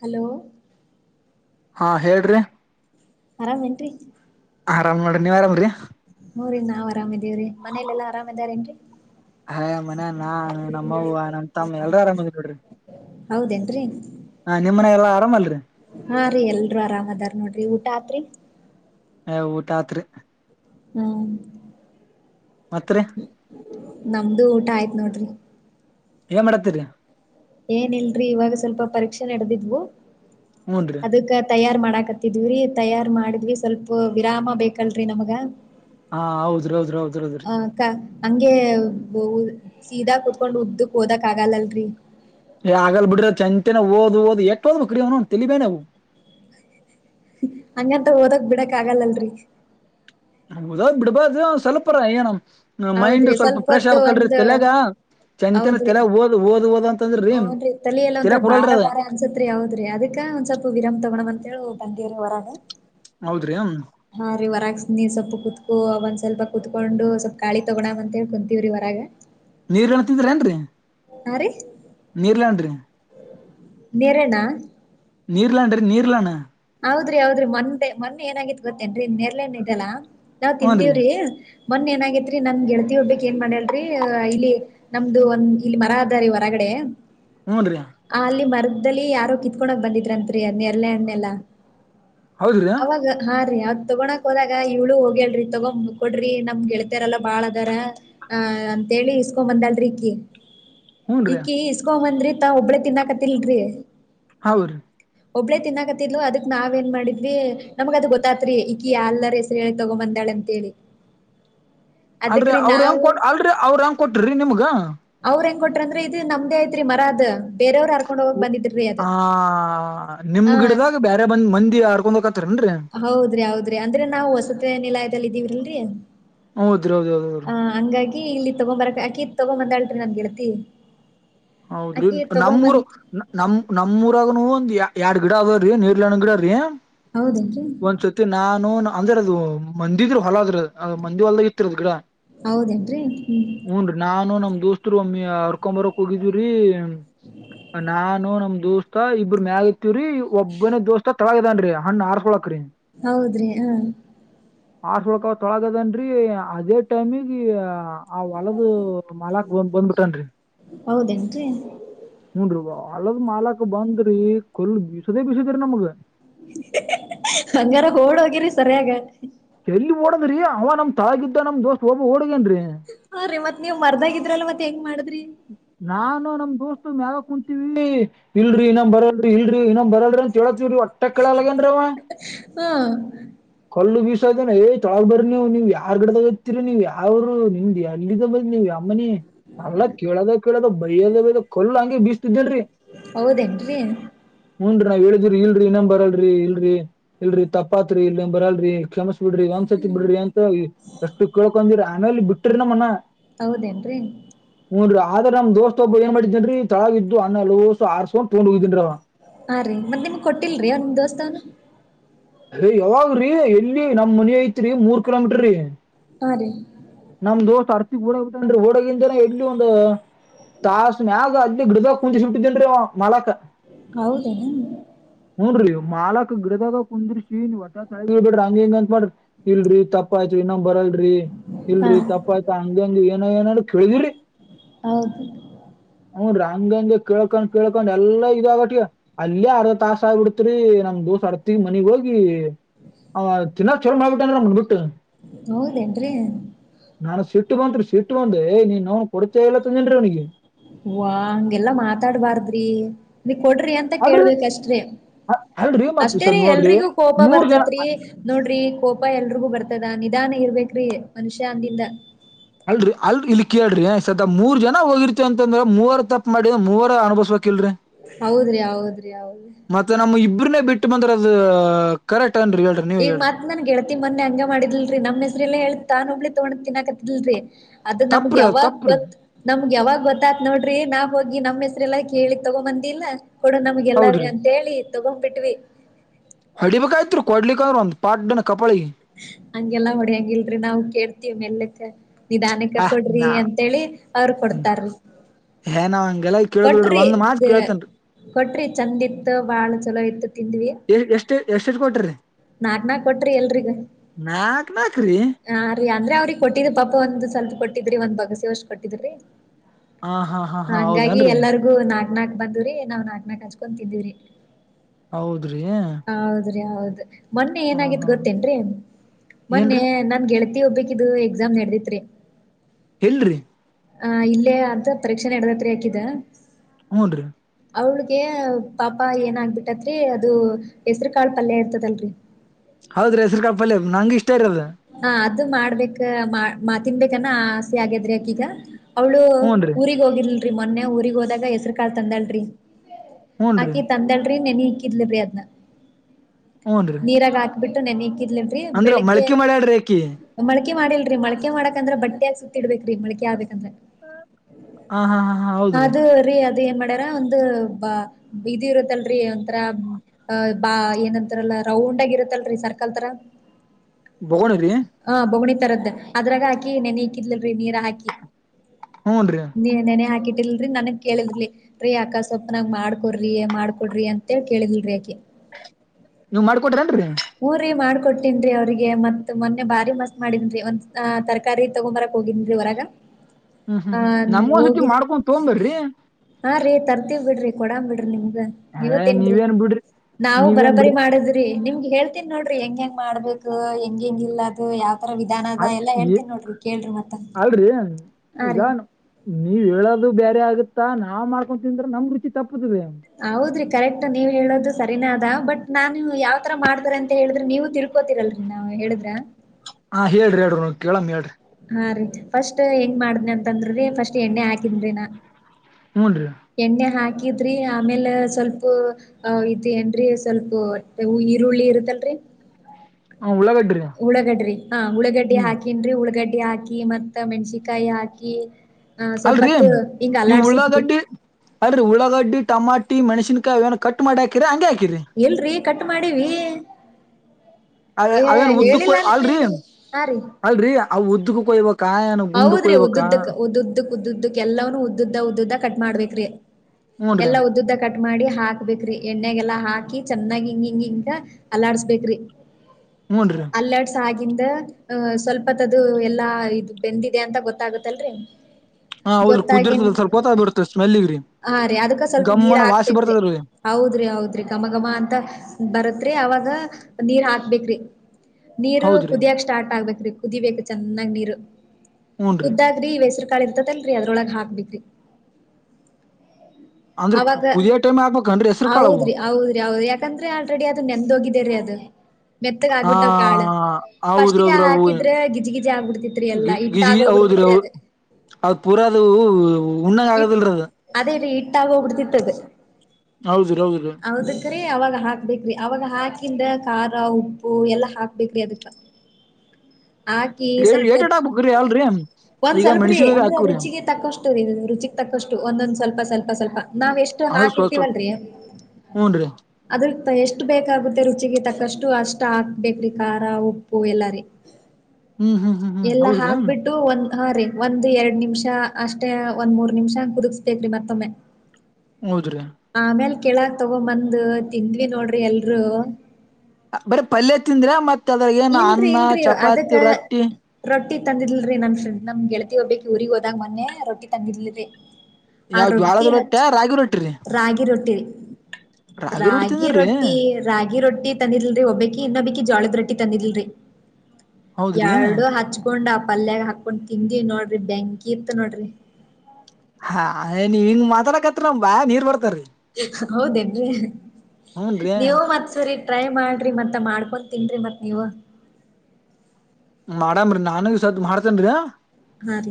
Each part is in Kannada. ಹಲೋ ಹಾ ಹೇಳ್ರಿ ಆರಾಮ ಏನ್ರೀ ಆರಾಮ ನೋಡ್ರಿ ನೀವು ಆರಾಮ ರೀ ಹೂರಿ ನಾವ್ ಅರಾಮ್ ಇದೀವ್ರೀ ಮನೇಲೆ ಎಲ್ಲಾ ಅರಾಮ್ ಇದ್ದಾರೇನ್ರೀ ಹಯ ಮನ ನಾ ನಮ್ಮವಂತಮ್ಮ ಎಲ್ರ ಆರಾಮ್ದಿ ನೋಡ್ರಿ ಹೌದೇನ್ ರೀ ಹಾ ನಿಮ್ ಮನ ಎಲ್ಲಾ ಆರಾಮಲ್ರಿ ಹಾ ರೀ ಎಲ್ರು ಆರಾಮ್ದಾರ ನೋಡ್ರಿ ಊಟ ಆತ್ರಿ ಊಟ ಆತ್ರಿ ಹ್ಮ ಮತ್ರಿ ನಮ್ದು ಊಟ ಆಯ್ತ ನೋಡ್ರಿ ಏನ್ ಮಾಡತಿರಿ ಏನ್ ಇಲ್ರರಿ ಇವಾಗ ಸ್ವಲ್ಪ ಪರೀಕ್ಷೆ ನಡೆದಿದ್ವು ಹೂನ್ರಿ ಅದಕ್ಕ ತಯಾರು ಮಾಡ ಕತ್ತಿದ್ವಿರಿ ತಯಾರ್ ಮಾಡಿದ್ವಿ ಸ್ವಲ್ಪ ವಿರಾಮ ಬೇಕಲ್ರರಿ ನಮ್ಗ ಹಾ ಹೌದ್ರೌದ್ ಹೌದ್ರ [unintelligible] ಹಂಗೆ ಸೀದಾ ಕುತ್ಕೊಂಡ್ ಉದ್ದಕ್ ಓದಕ್ ಆಗಲ್ಲಲ್ರಿ ಆಗಲ್ ಬಿಡ್ರ ಚಂತನ ಓದ ಓದು ಎಕ್ ಹೋದ್ ಮ ಕ್ರೀವನ ತೇಲಿ ಬೇನವು ಹಂಗಂತ ಓದಕ್ ಬಿಡಕ್ ಆಗಲ್ಲಲ್ರಿ ಹೋಧೋಧು ಬಿಡ್ಬಾರ್ದ ಸ್ವಪರ ಏನ ಮೈಂಡ್ ಹೌದ್ರಿ ಸ್ವಲ್ಪ ಫ್ರೆಶ್ ಆಗ್ ಹೊತ್ತು ಬೇಕಲ್ರಿ ಒಂದ್ ತಲೆಗ ಚಂದ ಚಂದ ತಲೆಗ ಓದು ಓದ್ ಓದ ಹೌದ ರಿ ತಲ ಎೆಲ್ಲ ಒಂಥರ ಬಾರ ಬಾರ ಅನ್ಸತ್ರಿ ಹೌದ್ರಿ ಅದಕಂದ ಸ್ವಲ್ಪ ವಿರಮ್ ತಗೋಳ ಅಂತೇಳ ಬಂದೆವ ಹೊರಗೆ ಹೌದ್ರಿ ಹಾ ರೀ ಹೊರಗ ನೀ ಸೊಪ ಕೂತ್. ಒಂದ್ ಸ್ವಲ್ಪ ಕುತ್ಕೊಂಡು ಸ್ವಲ್ಪ ಗಾಳಿ ತಗೋನಾಕ ಅಂತಿ ಕುಂತೀವ್ರಿ ಹೊರಗ. ನೀರ್ ಣ ತಿದ್ರ ಏನ್ರರಿ. ಹಾ ರಿ. ನಿರ್ಲ ಹಣ್ರಿ. ನೆರಣ. ನಿರ್ಲ ಹಣ್ಣ ರೀ ನೀರ್ಲ ಹಣ್ಣ. ಹೌದ್ರಿ ಹೌದ್ರಿ ಮಂದೆ ಮೊನ್ ಏನಾಗತ್ ಗೊತ್ತೇನ್ರೀ ಇನ್ ನೆರ್ಲ ಹಣ್ಣ ಇದಲ್ಲಾ ನಾವ್ ಹೂನ್ರಿ ತಿಂತೀವ್ರೀ. ಮೊನ್ನೆ ಏನಗೇತ್ರಿ ನಮ ಗೆಳತಿ ಒಬ್ಬಾಕಿ ಏನ್ ಮಾಡ್ಯಲ್ರರಿ ಇಲ್ಲಿ ನಮ್ದು ಒಂದ್ ಇಲ್ಲಿ ಮರ ಅದಾರಿ ಹೊರಗಡೆ. ಹೂನ್ರಿ ಆ ಅಲ್ಲಿ ಮರದದಲ್ಲಿ ಯಾರೋ ಕಿತ್ಕೊಂಡಕ ಬಂದಿದ್ರಂತ್ರಿ ಅದ್ ನೇರಳೆ ಹಣ್ಣೆಲ್ಲಾ. ಹೌದ್ರಿ ಅವಾಗ ಹಾ ರೀ. ತಗೋಳಕ್ ಹೋದಾಗ ಇವ್ಳು ಹೋಗಲ್ರಿ ತಗೊ ಕೊಡ್ರಿ ನಮ್ಗೆಳಳ್ತಾರಲ್ಲಾ ಬಾಳ್ ಅದಾರ ಅ. ಅಂತ ಹೇಳಿ ಇಸ್ಕೊ ಬಂದಲ್ರಿ ಇಕಿ. ಹೂನ್ರಿ ಇಕಿ ಇಸ್ಕೊ ಬಂದ್ರಿ ತಾ ಒಬಳೆ ತಿನ್ನಾಕತಿಲ್ರರಿ. ಹೌರ. ಒಬ್ಬೇ ತಿನ್ಮಕದೀದ್ಲು ಅದ. ನಾವ್ ಏನ್ ಮಾಡಿದ್ವಿ ನಮಗ ಅದು ಗೊತ್ತಾತ್ರಿ ಈಕಿ ಅಲ್ಲ್ಲಾರ ಹೆಸರು ಹೇಳಿ ತಗೊ ಬಂದಾಳ ಅಂತ ಹೇಳಿ. [inaudible] ಅಲ್ರೀ ಅವ್ರ ಹೆಂಗ ಕೊ ಅಲ್ರರಿ ಅವ್ರ್ ಹೆಂಗ ಕೊಟ್ರಿ ನಿಮ್ಗ. ಕೊಟ್ರ ಅಂದ್ರೆ ಇದು ನಮ್ದೇ ಐತ್ರಿ ಮರ ಅದ. ಓ ಆ ನಿಮ್ ಆ ಗಿಡದಾಗ ಬೇರೆ ಬಂದ್ ಮಂದಿ ಹರ್ಕೊಂಡ. ಹೌದ್ರಿ ಹೌದ್ರಿ ಅಂದ್ರೆ ನಾವು ಹೊಸತ ನಿಲಯದಲ್ಲಿ ಇದ್ದೀವ್ರಲ್ರರಿ. ಹೌದ್ರಿ ಹೌದ್ ಹೌದ್ ಹೌದ್ರಿ ಹ ಹಂಗಾಗಿ ಇಲ್ಲಿ ತಗೊಂಬರಕ್ ಆಕಿ. ತೊಗೊಂಡು ಬಂದಾಳ ರಿ ನಮ್ಮ ಗೆಳತಿ. ಹೌದ್ರಿ ಅಕಿ ನಮ್ಮೂರ ತಗೊಂಬಂದ ನಮ ನಮ್ಮೂರಾಗ ನೋ ಒಂದ್ಯಾಾ. ಎರಡ್ ಗಿಡ ಅದಾವ್ರಿ ನೀರ್ಲ ಗಿಡ ರೀ ಹೌದೇನ್ರಿ ಒಂದ್ಸತಿ ನಾನು. ಅಂದ್ರೆ ಅದು ಮಂದಿದ್ರ ಅದು ಹೊಲದರಿ. ಆ ಮಂದಿ ಹೊಲ್ದಾಗ ಇತ್ ರಿ ಆದ ಗಿಡ ಹೌದೇನ್ರಿ ಹ್ಮ್ ಹುನ್ರಿ ನಾನು ನಮ್ದ. ದೋಸ್ತರು ಒಮ್ಮಿ ಹರಿಕೊಂಡ ಬರಕ್ ಹೋಗಿದವ್ರೀ ನಾನು ನಮ. ದೋಸ್ತ ಇಬ್ಬ್ರ ಮ್ಯಾಗ ಐತಿವ್ರೀ ಒಬ್ಬನೇ ದೋಸ್ತ ತಳಗದನ್ರರಿ ಹಣ್ಣ ಅರಸ್ಕೋಲಕ್ರಿ. ಹೌದ್ರಿ ಹಾ. ಆರ್ಳ್ಕ ತೊಳಗದನ್ರಿ ಅದೇ ಟೈಮಿಗೆ. ಆ ಹೊಲದು ಮಾಲಾಕ್ ಒಬ್ಬ ಬಂದ್ಬಿಟನ್ರಿ. ಹೌದೇನ್ರಿ. ಹೊಲದ ಮಾಲಕ್ ಬಂದ್ರೀ ಕಲ್ಲ ಬೀಸದೇ ಬಿಸಿದಿ ನಮಗ. ಹಂಗಾರ ಓಡ ಹೋಗಿರಿ ಸರಿಯಾಗ. ಎಲ್ಲಿ ಓಡ ಹೋಗದ್ರಿ ಅವ ನಮ್ ತೆಲಗಿದ್ದ ಗ ನಮ್ ದೋಸ್ತ್ ಒಬ್ಬ ಓಡ ಹೋಗ್ಯಾನ್ರಿ. ನೀವು ಮರ್ದಾಗ ಇದ್ರಲ್ಲ ಮತ್ತ ಹೆಂಗ ಮಾಡ. ನಾನು ನಮ ದೋಸ್. ಮ್ಯಾವ ಕುಂತೀವಿ ಇಲ್ರಿ ಇನ್ನೊ ಬರಲ್ರಿ ಇಲ್ರರಿ ಇನ್ನೊ ಬರಲ್ರಿ ಅಂತ ಹೇಳೇಳ. ಒಟ್ಟ ಕಳ ಲಗಂದ ಹಾ ಕಲ್ಲು ಬಿ. ಇಷ್ಟನಏ್ಳಗ ಬರಿ ನೀವು ನೀವವು ಯಾರ್ ಗಿಡದ ಹ್ ಹಾಕಿ ತ್ತೀರಿ ನೀವು ಯಾವ ಊರ ಮುಂದೆ ನೀಮ್ದ್ ಎಲ್ಲಿದ ಬಂದ ನೀವವು ಅಮ್ಮನಿ. ಅಲ್ಲ. ಬೈಯದ ಕಲ್ಲ ಹಂಗೆ ಬೀಸತಿದ್ದೇಲ್ರಿ. ಹೌದ್ಯೆನ್ರಿ. ಹೂನ್ರಿ ನಾವ್ ಹೇಳಿದ್ವಿ ರಿ ಇಲ್ರರಿ ಇನ್ನ್ ಬರಲ್ರರಿ ಇಲ್ರರಿ ಇಲ್ರರಿ ತಪ್ಪಾತ್ರಿ ಇಲ್ ಬರಲ್ರರಿ ಕ್ಷಮ. ಬಿಡ್ರಿ ಒಂದ್ಸತಿ ಬಿಡ್ರಿ ಅಂತ ಎಷ್ಟು ಕೇಳ್ಕೊೊಂಡ್ವಿರಿ ಆಮೇಲೆ ಬಿಟ್ರಿ ನಮ್ಮನ. ಹೌದೇನ್ರರಿ. ಹೂಂ ರಿ ಆದ್ರ ನಮ ದೋಸ್ತ ಒಬ್ಬ ಏನ್ ಮಾಡಿದ್ನೇರಿ ತಳಗಿದ್ದು ಅಣ್ಣ ಹೋಸ ಆರ್ಸಕೊಂಡು ತಗೊಂಡ್ ಹೋಗಿದ್ನ ಅವ. ಹಾರೀ ಮತ್ ನಿಮ್ಗ್ ಕೊಟ್ಟಿಲ್ರಿ ಅವ್ನ್ ನಿಮ್ ದೋಸ್ತವ್ನು. ಅರೆ ಯಾವಾಗ್ರೀ ಎಲ್ಲಿ ನಮ್ ಮನಿ ಐತ್ರಿ ಮೂರ್ ಕಿಲೋಮೀಟರ್ ರೀ. ಹಾ ರೀ. ನಮ್ ದೋಸ್ತ್ ಆಡ್ಸಿ ಊರ ಬಿಟಾನ್ರಿ ಓಡಗಿಂದನ ಇಲ್ಲೀ ಒಂದು. ತಾಸ್ಮ್ಯಾಗ ಅಲ್ಲಿ ಗಿಡ್ದಾಗ್ ಕುಂದ್ರಿಸ್ ಬಿಟ್ಟುದಾನ್ರಿ ಆವ ಮಾಡಾಕ. ಹೌದೇನ. ಮಾಲಕ ಗಿಡ್ದಾಗ ಕುಂದ್ರುಶಿ ನೀ ಹೊಟರ ಸಾಯಂಗಿಲ್ ಬಿಡ್ರಿ ಹಂಗ ಹಿಂಗ ಅಂತ ಮಾಡ್ರ ಇಲ್ರಿ ತಪಾಯಿತ್ರಿ. ನನ್ ಬರಲ್ರಿ. ಹಾ ಇಲ್ರಿ ತಪಯ್ತ್ ಹಂಗೆ ಇಂಗೆ ಏನೊ ಏನಾನೊ ಕೇಳಿದಿರಿ ಹೌದು ಹೂ ರ. ಹಂಗಂಗೆ ಕೇಳ್ಕೊಂಡ್ ಕೇಳ್ಕೊಂಡ್ ಎಲ್ಲಾ ಇದಾಗಟ್ಗೆ ಅಲ್ಲೇ ಅರ್ಧ ತಾಸ ಆಗ್ಬುತ್ರಿ ನಮ್ ದೋಸ ಅರ್ತಿ. ಮನಿಗ್ ಹೋಗಿ ಆವ ತಿನ್ನಕ್ ಚಲು ಮಾಡ್ಬಿಟ್ಟನ್ರೀ ನಮೂನ್ ಬಿಟ್ಟು. ಹೌದೇನ್ರೀ. ನಾ ಸಿಟ್ಬಂತ್ರಿ ಸಿಟ್ಬಂದ್ ನೀನ್ [unintelligible] ಕೊಡ್ತೀಯಾ ಇಲ್ ಅಂತ್ ಅಂದೇನ್ರಿ ಅವ್ನಿಗೆ. ಹೂ ಹಂಗೆಲ್ಲಾ ಮಾತಾಡ್ಬಾರ್ದ್ರಿ ನೀ ಕೊಡ್ರಿ ಅಂತ ಅಲ್ರಿ ಕೇಳ್ಬೇಕಷ್ಟ್ರೀ. ಅಲ್ರಿ ಮತ್ ಅಷ್ಟೇ ರೀ ಸದ್ ನೋಡ್ರಿ ಎಲ್ರಿಗೂ ಕೋಪ ಮೂರ್ ಜನ ಬರ್ತತ್ರಿ ನೋಡ್ರಿ ಕೋಪ ಎಲ್ರಿಗೂ ಬರ್ತತ್. ತದ ನಿಧಾನ ಇರ್ಬೇಕ್ರಿ ಮನುಷ್ಯನ್ದಿಂದ. ಅಲ್ರಿ ಅಲ್ ಇಲ್ ಕೇಳ್ರಿ ಸದ ಮೂರ್ ಜನ ಹೋಗಿರ್ತೀವ್ ಅಂತಂದ್ರ ಮೂವರು ತಪ್ ಮಾಡಿವ್ ಮೂವರ ಅನುಭಸ್ಬೇಕ್. ಕಿಲ್ರಿ ಹೌದ್ರಿ ಹೌದ್ರಿ ಹೌದ್ ಮತ್ತೆ ನಮ್ ಇಬ್ರುನ್ನೇ. ಬಿಟ್ ಬಂದುರದು ಕರೆಕ್ಟ್ ಏನ್ರಿ ಹೇಳ್ರಿ ನೀವೇ ಈಗ ಹೇಳ್ರಿ. ಮತ್ತ್ ನನ್ ಗೆಳತಿ ಮೊನ್ನೆ ಹಂಗೆ ಮಾಡಿದುಳ್ರಿ ನಮ್ಮ್ ಹೆಸ್ರೇಲ್ಲಾ ಹೇಳಿ ತಾನೊಬ್ಳೆ ತಗೊಂಡ್ ತಿನ್ನಾಕತೀದುಳ್ರಿ. ಅದು ನಮಗ್ ತಪ್ಪ್ರಿ ಅದ್ ಯಾವಾಗ್ ತಪ್ಪ್ರಿ ಗೊತ್ ನಮಗ್ ಯಾವಾಗ್ ಗೊತ್ತಾತ್ ನೋಡ್ರಿ ನಾವ್ ಹೋಗಿ ನಮ್ ಹೆಸ್. ಎಲ್ಲಾ ಕೇಳಿ ತಗೊಂಬಂದಿ ಇಲ್ಲಾ ಕೊಡು ನಮಗೆಲಾರ್ಗು ಹೌದ್ರಿ ಅಂತ್ ಹೇಳಿ ತಗೊಂಬಿಟ್ವಿ. ಹೊಡಿಬೇಕೈತ್ರಿ ಕೊಡ್ಲಿಕಂದ್ರು ಒಂದ್ ಪಡಾನಾಗ್. ಹಂಗೆಲ್ಲ ಹೊಡಿಯಾಗಿಲ್ರಿ ನಾವ್ ಕೇಳ್ತೀವ್ ಮೆಲುಕ. ನಿಧಾನುಕ ಆ ಕೊಡ್ರಿ ನಾ ಅಂತೇಳಿ ಅವ್ರ್ ನಾ- ಕೊಡ್ತಾರ್ರಿ. ಏ ನಾವ್ ಹಂಗೆಲ್ಲ ಕೇಳದ್ ಬಿಡ್ರಿ ಕೊಟ್ರಿ ಒಂದ್ ಮಾತ್ ಕೇಳ್ತೇನ್ರಿ ಕೊಟ್ರಿ ಚಂದ್ ಇತ್ತು ಬಾಳ ಚಲೋ ಇತ್ತು. ತಿಂದ್ವಿ ಎ ಎಷ್ಟು ಎಷ್ಟ್ ಎಷ್ಟ್ ಕೊಟ್ರುರಿ. ನಾಕ್ ನಾಕ್ ಕೊಟ್ರಿ ಎಲ್ರಿಗು ನಾಕ್ ನಾಕ್ರಿ ಹಾ ರೀ. ಅಂದ್ರೆ ಅವ್ರಿಗ್ ಕೊಟ್ಟಿದೆ ಒಂದ್ ಸೋಲ್ಪ್ ಕೊಟ್ಟಿದ್ರಿ ಒಂದ್ ಬಗಿಸೇ ವಾಷ್ಟ ಕೊಟ್ಟಿದ್ರಿ. ಹಾ ಹಾ ಹಾ ಹಾ ಹಂಗಾಗಿ ಹೌದನ್ರಿ ಎಲ್ಲರ್ಗು ನಾಕ್ ನಕ್ ಬಂದ್ವು ರೀ ನಾವ್ ನಾಕ್ ನಕ್ ಹಂಚ್ಕೊಂಡ್ ತಿಂದುವ್ ರೀ. ಹೌದ್ರಿ. ಹೌದ ಮೊನ್ನೆ ಹಾ ಏನಾಗಿತ್ ಹಾ ಹಾ. ಗೊತ್ತೇನ್ರೀ ಮೊನ್ನೆ. ಏನ್ರಿ ನನ್ ಗೆಳತಿ ಹೋಬೇಕಿದು ಎಕ್ಸಾಮ್ ನೆಡ್ದಿತ್ರಿ. ಎಲ್ರಿ. ಹ ಇಲ್ಲೇ ಅರ್ಧ ಪರೀಕ್ಷೆ ನಡ್ದತ್ರಿ ಹಾಕಿದ. ಹೂ ನ್ರೀ. ಅವ್ಳ್ಗೆ ಪಾಪ ಏನಾಗ್ಬಿಟ್ಟತ್ರಿ ಅದು ಹೆಸ್ರುಕಾಳ ಪಲ್ಯ ಇರ್ತದಲ್ರಿ. ಹೌದ್ರೀ ಹೆಸ್ರುಕಳ್ ಪಲ್ಯ ನಂಗು ಇಷ್ಟ ರೀ ಅದು. ಹಾ ಅದು ಮಾಡ್ಬೇಕ ಮಾ ಮಾತಿಂನ್ಬೇತನ ಆಸೆ ಆಗ್ಯಾದ್ರಿ ಅಕಿಗಾ. ಅವ್ಳು ಹ್ಞೂನ್ರಿ ಊರಿಗ್ ಹೋಗಿಲ್ರಿ ಮೊನ್ನೆ ಊರಿಗ್ ಹೋದಾಗ ಹೆಸ್ರುಕಾಳ್ ತಂದಳ್ರಿ. ಹ್ಞೂನ್ರಿ ಆಕಿ ತಂದಳ್ರಿ ನೆನಿ ಇಕ್ಕಿದ್ಲು ರೀ ಅದ್ನ. ಹ್ಞೂನ್ರಿ ನೀರಾಗಕ್ಬಿಟು ನೆನಿಕ್ಕಿದ್ಲು ರೀ ಅಂದ್ರ ಬೆಳಿಗ್ಗೆ ಮಳಕಿ ಮಾಡ್ಯಾಡ್ರಿ ಆಕಿ ಮಳ್. ಮಳ್ಕೆ ಮಾಡಿಲ್ರಿ ಮಳ್ಕೆ ಮಾಡಕಂದ್ರ ಬಟ್ಯಾಗ್ ಸುತ್ತಿಡ್ಬೇಕ್ರಿ ಮಳ್ಕೆ ಆಬೇಕ್. ದ್ ಹಾ ಹಾ ಹಾ ಹಾ ಹೌದ್ರಿ ಅದು ರೀ ಅದ್. ಅದು ಏನ್ ಮಾಡ್ಯಾರ ಒಂದು ಬ ಇದು ಇರುತ್ತಲ್ರಿ ಒಂತರ ಬಾ ಏನದ್. ತರಲ್ಲ ರೌಂಡಾಗಿರುತ್ತಲ್ರಿ ಸರ್ಕಲ್ ತರ. ಬೌಲ್ನೆರಿ. ಹಾ ಬೊಗಣಿ ತರದ್ ಅದ್ರಾಗ ಹಾಕಿ ನೆನೆಕ್ಕಿದ್ಲು ರೀ ನೀರ ಹಾಕಿ ಹ್ಞೂನ್ರಿ ನೆನೆ ಹಾಕಿದ್. ಇಲ್ರಿ ನನ್ಗ್ ಕೇಳಿದ್ಲು ರೀ ಅಕ್ಕ ಸ್ವಪ್ ನಂಗ್ ಮಾಡ್ಕೊರೀ ಮಾಡ್ಕೊಡ್ರಿ ಅಂತೇಳ್ ಕೇಳಿದ್ಲು ರೀ ಆಕಿ. ನೀವ್ ಮಾಡ್ಕೊಟ್ರೆನ್. ಹ್ಮೂ -ರಿ -ಮಾಡ್ ಕೊಟ್ಟನ್- ರಿ- ಅವ್ರಿಗೆ ಮತ್ ಮೊನ್ನೆ ಬಾರಿ ಮಸ್ತ್ ಮಾಡಿದನ್- ರಿ- ಒಂದ್ ತರಕಾರಿ ತಗೊಂಬರಕ್ ಹೋಗನ್- ರಿ- ಹೊರಾಗ. ಹ್ಮ್ ಹ್ಮ್ ಹ ಹ್ಮ್ ನಮ್ಮೂ ಸತಿ -ಹೋಗಿ ಮಾಡ್ಕೊಂಡ್ ತೊಂಬರ್ರಿ -ಹಾ -ರೀ -ತರ್ತೀವಿ ಬಿಡ್ರಿ ಕೊಡನ್ ಬಿಡ್ರಿ ನಿಮಗ್ ಗ್ -ನೀವೆ ಏ ತಗೆದ್ರಿ ನೀವೇನ್ ಬಿಡ್ರಿ ನಾವು ನೀವೇನ್ ಬರಾಬರಿ ಬಿಡ್ರಿ ಮಾಡಿದ್ರರಿ ನಿಮ್ಗೆ ಹೇಳ್ತೀನ್ ನೋಡ್ರಿ- ರಿ -ಹೆಂಗ ಹೆಂಗ್ ಮಾಡ್ಬೇಕು ಹೆಂಗ ಹೆಂಗ ಇಲ್ಲ ಅದು ಯಾಕ್. ಥರ ವಿಧಾನ ಅದ ಅದ್ ಎಲ್ಲಾ ಏ ಹೇಳ್ತೀನ್ ನೋಡ್ರಿ ಕೇಳ್ರಿ ಮತ್ತ ಅಲ್ರಿ ಹ ಈಗ -ರೀ- ನೀವ್ ಹೇಳೋದು ಬೇರೆ ಆಗುತ್ತಾ ನಾವ್ ಮಾಡ್ಕೊಂತಿಂದ್ರ ನಮ್ ರುಚಿ ತಪ್, ಹೌದ್ರಿ ಕರೆಕ್ಟ್ ನೀವು ಹೇಳೋದು ಸರಿನಅದ ಬಟ್ ನಾನು ವ್ ಯಾವ್ ತರ ಮಾಡ್ತಾರೆ ಅಂತ ಹೇಳಿದ್ರೆ ನೀವು ತಿಳ್ಕೋತ್ತಿರಲ್ರಿ ನಾ- ಹೇಳಿದ್ರಾ ಹ -ಹೇಳ್ರಿ ಹೇಳ್ರಿ ಕೇಳಮ್ಮ ಹೇಳ್ರಿ ಹಾ -ರೀ -ಫಸ್ಟ್ ಹೆಂಗ್ ಮಾಡ್ದನಿ ಅಂತಂದ್ರೀ ಫಸ್ಟ್ ಎಣ್ಣೆ ಹಾಕನ್ದ್ರಿ ನಾ- ಹೂನ್ರಿ ಎಣ್ಣೆ ಹಾಕ್ ಹಾಕಿದ್ರಿ ಆಮೇಲೆ ಸ್ವಲ್ಪ- ಅ -ಇತಿ ಏನ್ರೀ ಸ್ವಲ್ಪ ಈರುಳ್ಳಿ ಇರತ್ತಲ್ರಿ. ಹ [inaudible] [unintelligible] ಹ ಉಳ್ಳಾಗಡ್ಡ್ರಿ ಉಳ್ಳಗಡ್ರಿ -ಹಾ -ಉಳ್ಳಗಡ್ಡಿ ಹ್ಮ್ ಹಾಕಿನ್- ರಿ ಉಳ್ಳಗಡ್ಡಿ ಗಟ್ಟಿ ಹಾಕಿ ಮತ್ತ ಮೆಣಸನ್ಕಾಯಿ ಹಾಕಿ. ಆ ಅಲ್ರಿ ಸ್ವಲ್ಪತ್ತು ಹಿಂಗ್ -ಈ ಅಲ್ಲಾಡ್ಸಿದ್ರಿ -ಉಳ್ಳಾಗಡ್ಡಿ ಅಲ್ರಿ ಉಳ್ಳಾಗಡ್ಡಿ. ಟಮಟಿ ಮೆಣಸಿಕಾಯಿ ಏನ್ ಕಟ್ ಮಾಡಾಕಿರ ಹಂಗೆ ಹಾಕ್. ಇಲ್ರಿ ಕಟ್ ಮಾಡಿವಿ. ಅವೆ ಅವೇನು ಉದ್ದಕ್ ಅಲ್ರಿ ಹಾ ರೀ ಅಲ್ರಿ ಅವು ಉದ್ದಕ್ಕೂಯ್ಬಕ್. ಕಾಯನ ಗುಂಡು ಕೊಯ್ಬೇಕ. ಉದ್ದುದ್ದಕ್ಕೆ ಎಲ್ಲನ್ನು ಉದ್ದದ್ದ ಉದ್ದದ್ದ ಕಟ್ ಮಾಡ್ಬೇಕ್ರೀ ಹೂನ್ರಿ ಎಲ್ಲಾ ಉದ್ದದ್ದ ಕಟ್. ಕಟ್ ಮಾಡಿ ಹಾಕ್ಬೇಕ್ರಿ ಎಣ್ಣೆಗೆಲ್ಲಾ ಹಾಕಿ ಚೆನ್ನಾಗ್ ಹಿಂಗಿಂಗ ಹಿಂಗ ಅಲಾಡ್ಸ್ಬೇಕ್ರಿ. ಹೂನ್ರಿ ಅಲ್ಲರ್ಟ್ಸ್ ಆಗಿಂದ ಹ ಸ್ವಲ್ಪತದು ಎಲ್ಲಾ ಇದು. ಬೆಂದಿದೆ ಅಂತ ಗೊತ್ತಾಗತ್ತಲ್ರಿ, ಹಾ ಹೌದ್ರಿ ಗೊತ್ತಾಗಿನ್ ಕುದಿರ್ತದಲ್ವ ಸ್ವಲ್ಪ ವತ್ ಇರ್ತರಿ ಸ್ಮೆಲ್ಲಿಗೆ ರಿ ಹಾ ರೀ ಅದಕ್ಕ ಸ್ವಲ್ಪ ಗಮ್ಮ್ ನೀರ್ ಅನ್ನ ವಾಸಿ ಹಾಕ್ಬೇಕ್ರಿ. ಬರ್ತದ್ ರಿ- ಹೌದ್ರಿ ಹೌದ್ರಿ ಗಮಗಮ ಅಂತ ಬರತ್ರಿ ಅವಾಗ, ನೀರ್ ಹಾಕ್ಬೇಕ್ರಿ ನೀರು ಹೌದ್ರಿ ಕುದಿಯಕ್ ಸ್ಟಾರ್ಟ್ ಆಗ್ಬೇಕ್ರಿ ಕುದಿಬೇಕು ಚೆನ್ನಾಗ್ ನೀರು. ಹೂನ್ರಿ ಕುದ್ದಾದ್ರಿ ಇವಸ್ರು ಕಾಳ್ಇರ್ತದಲ್ರಿ ಅದ್ರೊಳಗ್ ಹಾಕ್ಬಕ್ರಿ. ಅಂದ್ರ ಅವಾಗ ಕುದಿಯ ಟೈಮ್ ಹಾಕ್ಬೇಕನ್ರಿ ಹೆಸರು ಕಾಳವು ಹೌದ್ರಿ ಹೌದ್ರಿ ಹೌದ್ರಿ ಯಾಕಂದ್ರೆ ಆಲ್ರೆಡಿ ಅದು ನೆಂದೋಗಿದೆ -ರಿ -ಅದು. [inaudible] ಮೆತ್ತೆಗ್ ಹಾ ಆಗ್ಬಿಟ್ಟಾವ್ ಕಾಳು ಫಸ್ಟ್ ಹೌದ್ರಿ ಹೌದ್ರಿ ಅವು ಹಾಕಿದ್ರೆ ಗಿಜಿ ಗಿಜಿ ಆಗ್ಬಿಡ್ತಿತ್ರಿ ಎಲ್ಲಾ ಇಟ್ಟಗೋಗ್. ಕುದ್ರುೌ ಅದ್ ಪೂರ ದೂವ್ ಹಿಟ್ ಅದೇ- ರಿ- ಹಿಟ್ಟಾಗೋಬಿಡ್ತಿತದ್. ಹೌದ್ರಿ ಹೌದ್ರಿ ಹೌದಕ್ಕ್ರೀ ಅವಾಗ ಹಾಕ್ಬೇಕ್ರಿ ಅವಾಗ ಹಾಕಿಂದ. ಕಾರ ಉಪ್ಪು ಎಲ್ಲಾ ಹಾಕ್ಬೇಕ್ರಿ ಅದಕ್ಕ. ಹಾಕಿ ಏ ಸ್ವಲ್ಪ ಏಟ್ ಏಟ್ ತ್ ಹಾಕ್ಬೇಕ್ರಿ ಅಲ್ರಿ ಒಂದ್ ಈಗ ಸ್ವಲ್ಪ -ರೀ- ಮೆಣಸಿನ್ಕಾಯಿ ಅಂದ್ರೆ ಹಾಕವ್ರಿ ರುಚಿಗೆ ತಕ್ಕಷ್ಟು -ರಿ -ರುಚಿ ತಕ್, ತಕ್ಕಷ್ಟು ಒಂದೊಂದ್ ಸ್ವಲ್ಪ ಸ್ವಲ್ಪ ಸ್ವಲ್ಪ ನಾವ್ ಎಷ್ಟು ಅಂದ್ರ ಸ್ವಲ್ಪ ಸ್ವಲ್ಪ ಹಾಕಿರ್ತಿವಲ್ರಿ. ಹೂನ್ರಿ ಅದ್ರುತ್ ಎಷ್ಟು ಬೇಕಾಗುತ್ತೆ ರುಚಿಗೆ ತಕ್ಕಷ್- ಅಷ್ಟ ಅಷ್ಟ ಹಾಕ್ಬೇಕೇ್ರಿ ಖಾರ ಉಪ್ಪು ಎಲ್ಲಾರಿ ಹ್ಮ್ ಹ್ಮ್ ಹ್ಮ್ ಹ್ಮ್ ಎಲ್ಲಾ ಹೌದ್ರಿ ಹಾಕ್ಬಿಟ್ಟು ಒಂದ ಹಾ -ರೀ- ಒಂದ್ ಎರಡ್ ನಿಮಿಷ ಅಷ್ಟೇ ಒಂದ್ ಮೂರ್ ನಿಮಿಷ ಕುದುಗ್ಸ್ಬೇಕ್ರಿ ಮತ್ತೊಮ್ಮೆ- ಹೌದ್ರಿ ಕೆಳಾಕ್ ತಗೊ ಬಂದ್ ತಿಂದ್ವಿ ನೋಡ್ರಿ ಎಲ್ರುೂ ಬರ ಪಲ್ಯ ತಿಂದ್ರ ಮತ್ತೆ ಇಲ್ರರಿ ಇಲ್ರರಿ ಅದಕ್ಕ ರೊಟ್ಟಿ ತಂದಿದಿಲ್ರಿ ನಮ್ ಫ್ರೆಂಡ್ ನಮ್ ಗೆಳತಿ ಹೋಗ್ಬಿ ಇವಊ್ರರಿಗೆ ಹೋದಾಗ ಮೊನ್ನೆ ರೊಟ್ಟಿ ತಂದಿರ್ಲಿದೆ. ಆ ಯಾವ್ -ರೊಟ್ಟಿ ಜ್ವಾಳದ ಹಚ್ಚ ರೊಟ್ಟ್ಯಾ ರಾಗಿ ರೊಟ್ಟಿರಿ ರಾಗಿ ರೊಟ್ಟಿ. ರೊಟ್ಟಿ ರಾಗಿ ತಿಂದಿರ್ರಿ ರೊಟ್ಟಿ ರಾಗಿ ರೊಟ್ಟಿ ತಂದಿರ್ಲ್ರಿ ಒಬ್ಬಿಕಿ ಇನ್ನೊಬಕಿ ಜೋಳದ್ ರೊಟ್ಟಿ. ಲ್ರಿ ಹೌದ್ರಿ ಎಾರ್ಡು ಹಚ್ಕೊಂಡ್ ಅ ಪಲ್ಯಾಗ ಹಾಕೊಂಡು ತಿಂದಿವವಿ ನೋಡ್ರಿ ಬೆಂಕಿ ಇತ್ ನೋಡ್ರಿ ಹಾ ಅ ನೀವ್ ಹಿಂಗ ಮಾತಾಡಕತ್ರಿ ಅ ಬಾ ನೀರ್ ಬರ್ತಾರೀ ಹೌದೇನ್ರಿ ಹೂನ್ ರೀ ನೀವು ಮತ್ಸರಿ ಟ್ರೈ ಮಾಡ್ರಿ ಮತ್ತ ಮಾಡ್ಕೊ ತಿನ್ ಮತ್ತ್ ನೀವು ಮಾಡಾಮ್ರಿ ನಾನು ಸದ ಮಾಡ್ತೇನ್ರೀ ಹ್ಮ್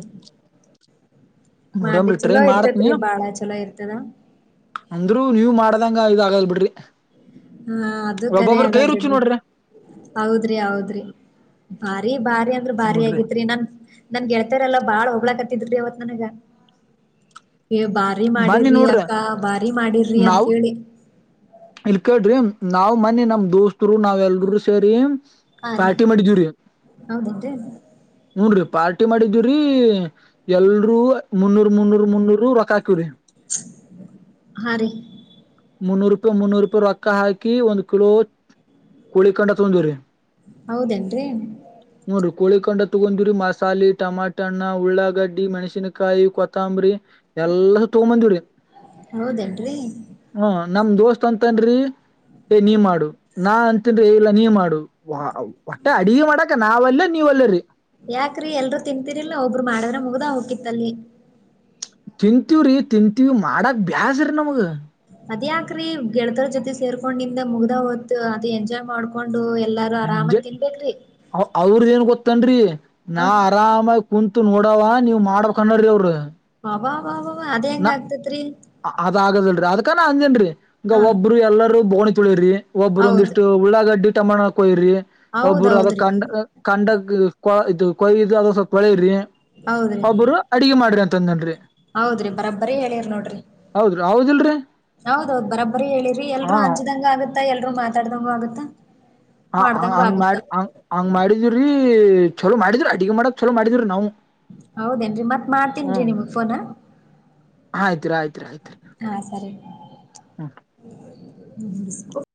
[inaudible] ನೋಡಂಬ್ರಿ ಟ್ರೈ ಮಾಡತ್ ನೀಯ ಬಾಳ ಚಲೋ ಇರ್ತದ ಅಂದ್ರೂ ನೀವ ಮಾಡ ಅಂಗ ಇದದು ಆಗಲ್ ಬಿಡ್ರಿ ಹಾ ಅದು ಕರೆ ಒಬ್ಬೊಬ್ಬ್ರ ಅದ ಕೈ ರುಚಿ ಬಿಡ್ರಿ ನೋಡ್ರಿ ಹೌದ್ರಿ ಹೌದ್ರಿ ಬಾರಿ ಭಾರಿ ಅಂದ್ರೆ ಭಾರಿ ಹೂನ್ರಿ ಆಗಿತ್ರಿ ನನ್ ನನ್ ಗೆಳ್ತರಲ್ಲ ಬಾಳ್ ಹೋಗ್ಳಾಕ ಅವತ್ ನನಗ ಏ ಬಾರಿ ಮನ್ನಿ ಮಾಡಿರ್ರಿ ನೋಡ್ರಿ ಅಕ್ಕಾ ಬಾರಿ ಮಾಡಿರ್ರಿ ನಾವ್ ಅಂತೇಳಿ ಇಲ್ ಕೇಳ್ರಿ ನಾವ್ ಮನೆ ನಮ್ ದೋಸ್ತರು ನಾವ್ ಎಲ್ರು ಸೇರಿ ಹಾ ರೀ ಪಾರ್ಟಿ ಮಾಡಿದವಿರಿ ಹೌದೇನ್ರಿ [unintelligible] ಪಾರ್ಟಿ ಮಾಡಿದವ್ರೀ ಎಲ್ರುೂ ಮುನ್ನೂರ್ ಮುನ್ನೂರ್ ಮುನ್ನೂರ್ ರೊಕ್ಕ ಹಾಕವ್ರಿ ಹರಿ ಮುನ್ನೂರು ರೂಪಾಯಿ ಮುನ್ನೂರು ರೂಪಾಯಿ ರೊಕ್ಕ ಹಾಕಿ ಒಂದ್ ಕಿಲೋ ಕೋಳಿಕಂಡ ತೊಂದ್ರಿ ಹೌದೇನ್ರರಿ ಕೊಂಡ ತಗೊಂಡರಿ ಮಸಾಲೆ ಟಮಾಟಣ್ಣ ಉಳ್ಳಾಗಡ್ಡಿ ಮೆಣಸಿನಕಾಯಿ ಕೊತ್ತಂಬರಿ ಎಲ್ಲ ತಗೊಂಬಂದಿರಿ ಹೌದೇನ್ರಿ ಹ್ಮ ನಮ್ ದೋಸ್ತ್ ಅಂತನ್ ಏ ನೀ ಮಾಡು ನಾ ಅಂತನ್ ಇಲ್ಲ ನೀ ಮಾಡು ವ ಹೊಟ್ಟೆ ಅಡಗ ಮಾಡಕ ನಾವ್ಲ್ಲ ನೀವ್ ಅಲ್ಲರರಿ ಯಾಕ್ರಿ ಎಲ್ರು ತಿನ್ಂತರಿಲ್ಲ ಒಬ್ರು ಮಾಡಿದ್ರ ಮುಗ್ದ ಹೋಗಕಿತ್ತಲ್ಲಿ ತಿಂತೀವ್ರೀ ತಿಂತೀವಿ ಮಾಡಾಕ್ ಬ್ಯಾಸ್ರೀ ನಮಗ ಅದ್ಯಾಕ್ರಿ ಗೆಳತರ ಜೊತೆ ಸೇರ್ಕೊಂಡಿಂದ ಮುಗ್ದ ಹೊತ್ ಅದ ಎಂಜಾಯ್ ಮಾಡ್ಕೊಂಡು ಎಲ್ಲಾರು ಜ ಆರಾಮಾಗಿ ತಿನ್ಬೇಕ್ರಿ ಅವ್ರದ ಏನ್ ಗೊತ್ತನ್ರಿ ಹ ನಾ ಆರಾಮಾಗಿ ಕುಂತು ನೋಡವ ನೀವ್ ಮಾಡ ಕನ್ನಡ್ರಿ ಅವರು ಅವ ವ ಅವ ಅದ್ ಹೆಂಗ ಆತರಿ ಅದ್ ಆಗದಲ್ರರಿ ಅದ್ಕಾನ ಅಂದೇನ್ರರಿ ಈಗ ಹ ಒಬ್ಬರು ಎಲ್ಲಾರೂ ಬೋಣಿ ತುಳಿರಿ ಒಬ್ರು ಹೌದು ಒಂದಿಷ್ಟು ಉಳ್ಳಾಗಡ್ಡಿ ತಟಮ್ಮಣಕ್ಯ್ರಿ ಒಬ್ಬರು ಅದ ಹೌದೌದ್ರಿ ಕಂಡ ಕಂಡಕ್ ಕೊ ಇದು ಕೊಯ್ ಇದು ಅದ್ ಸ್ವಲ್ಪ ಹೊಳ್ರಿ ಹೌದ್ರಿ ಒಬ್ಬರು ಅಡಗೆ ಮಾಡ್ರಿ ಅಂತ ಅಂದನ್ ಹೌದ್ರಿ ಬರಾಬ್ಬರಿ ಹೇಳಿರ್ ನೋಡಿರಿ ಹೌದ್ರಿ ಹೌದಿಲ್ರಿ ಹೌದೌದು್ ಬರಾಬ್ಬರಿ ಹೇಳಿರಿ ಎಲ್ರರು ಹಾ ಹಂಜದಂಗ ಆಗುತ್ತಾ ಎ ರು ಮಾತಾಡ್ದಂಗ ಆಗುತ್ತಾ ಹ ಹಂಗ್ ಮಾಡಿ ಹ ಹಂಗ್ ಮಾಡಿದ್ರಿ ಚಲೋ ಮಾಡಿದ್ರು ಅಡಿಗೆ ಮಾಡಕ್ ಚಲೋ ಮಾಡಿದ್ರು ನಾವು ಹೌದೇನ್ರಿ ಮತ್ತ್ ಮಾಡ್ತೀನ್ರಿ ನಿಮಗ್ ಫೋನಾ ನಿದ್ರೇ ಆಯ್ತ್ರಿ. ಹ್ಮಿಸ್